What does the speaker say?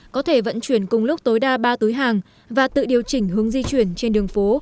có thể vận chuyển cùng lúc tối đa ba túi hàng và tự điều chỉnh hướng di chuyển trên đường phố